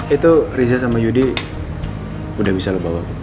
itu riza sama yudi udah bisa lo bawa